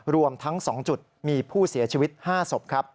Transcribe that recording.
รวมทั้ง๒จุดมีผู้เสียชีวิต๕ศพครับ